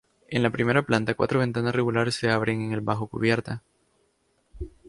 En la primera planta, cuatro ventanas regulares se abren en el bajo cubierta.